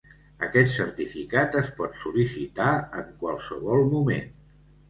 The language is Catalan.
Aquest certificat es pot sol·licitar en qualsevol moment.